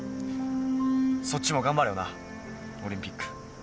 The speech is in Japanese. そっちも頑張れよなオリンピック。